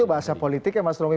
bahasa politik ya mas romi